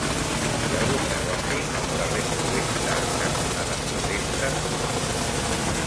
Hi ha algun negoci al carrer Floresta cantonada Floresta?